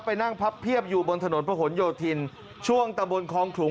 นั่งพับเพียบอยู่บนถนนประหลโยธินช่วงตะบนคลองขลุง